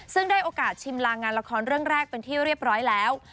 ซึ่งได้โอกาสชิมลางงานละครเรื่องแรกเป็นที่เรียบร้อยแล้ว